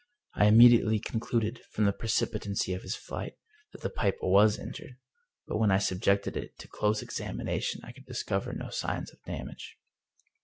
I immediately concluded, from the precipitancy of his flight, that the pipe was injured. But when I subjected it to close examination I could discover no signs of damage.